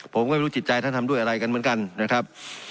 ผมก็ไม่รู้จิตใจท่านทำด้วยอะไรกันเหมือนกันนะครับ